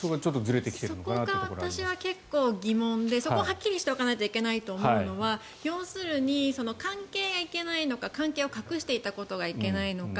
そこが私も疑問ではっきりしておかなきゃいけないのは要するに関係がいけないのか関係を隠していたことがいけないのか。